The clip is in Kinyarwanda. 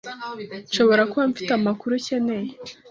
Nshobora kuba mfite amakuru ukeneye.